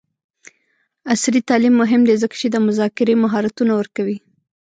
عصري تعلیم مهم دی ځکه چې د مذاکرې مهارتونه ورکوي.